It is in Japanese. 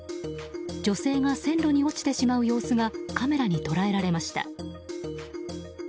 女性が線路に落ちてしまう様子がカメラに捉えられました。